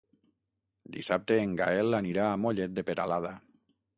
Dissabte en Gaël anirà a Mollet de Peralada.